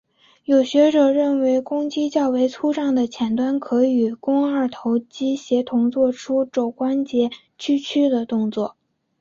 有学者认为肱肌较为粗壮的浅端可与与肱二头肌协同作出肘关节屈曲的动作。